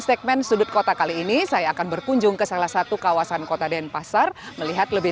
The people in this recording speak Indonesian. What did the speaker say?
segmen sudut kota kali ini saya akan berkunjung ke salah satu kawasan kota denpasar melihat lebih